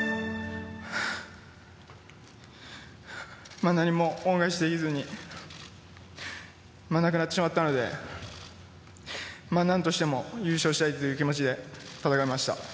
今、何も恩返しできずに、亡くなってしまったので、なんとしても優勝したいっていう気持ちで戦いました。